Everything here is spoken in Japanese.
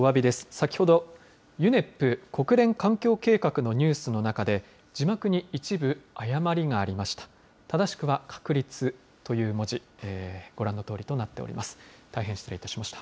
先ほど、ＵＮＥＰ・国連環境計画のニュースの中で、字幕に一部誤りがありました。